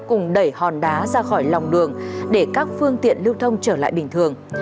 cùng đẩy hòn đá ra khỏi lòng đường để các phương tiện lưu thông trở lại bình thường